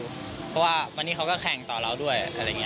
เพราะว่าวันนี้เขาก็แข่งต่อเราด้วย